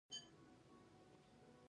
تعلیم نجونو ته د منطق ځواک ورکوي.